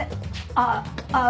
あああっ